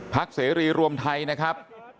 เสรีรวมไทยนะครับ